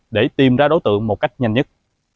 để tìm ra đối tượng một cách nhanh nhất